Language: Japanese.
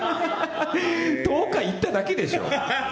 １０日行っただけでしょう。